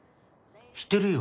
してるよ